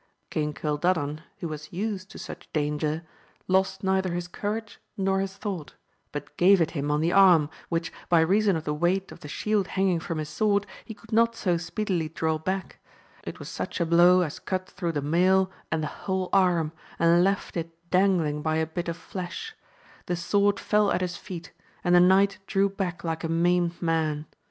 King Cildadan who was used to such danger, lost neither his courage nor his thought, but gave it him on the arm, which, by reason of the weight of the shield hanging from his sword, he could not so speedily draw back ; it was such a blow as cut through the mail and the whole arm, and left it dangling by a bit of flesh ; the sword fell at his feet, and the knight drew back like a maimed man.